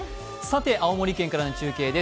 青森県からの中継です。